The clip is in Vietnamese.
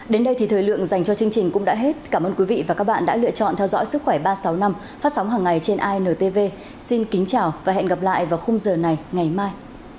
đến đây thì thời lượng dành cho chương trình cũng đã hết cảm ơn quý vị và các bạn đã lựa chọn theo dõi sức khỏe ba trăm sáu mươi năm phát sóng hàng ngày trên intv xin kính chào và hẹn gặp lại vào khung giờ này ngày mai